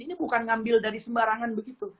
ini bukan ngambil dari sembarangan begitu